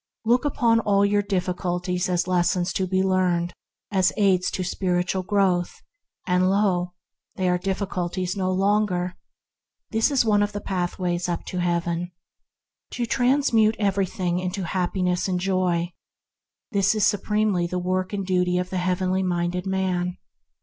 Look upon all your difficulties as lessons to be learned, as aids to spiritual growth, and lo! they are difficulties no longer. This is one of the Pathways up to Heaven. To transmute everything into Happiness and Joy, this is supremely the work and duty of the Heavenly minded man.